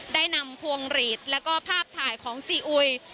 ได้นำพวงหลีดแล้วก็ภาพถ่ายของซีอุย